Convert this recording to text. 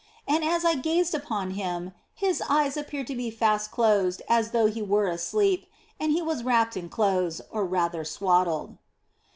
And as I gazed upon Him, His eyes appeared to be fast closed as though He were asleep, and He was wrapped in clothes, or rather swaddled.